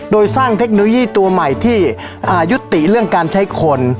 โดยสร้างเทคโนโลยีตัวใหม่ที่ยุติเรื่องการใช้คน